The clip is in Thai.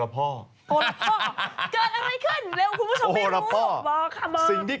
ไฟ